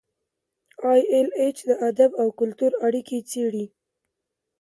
ای ایل ایچ د ادب او کلتور اړیکې څیړي.